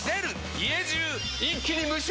家中一気に無臭化！